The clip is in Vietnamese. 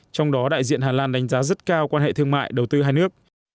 trong đó đại diện hà lan đánh giá rất cao quan hệ thương mại đầu tư hai nước